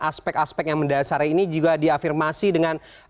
aspek aspek yang mendasari ini juga diafirmasi dengan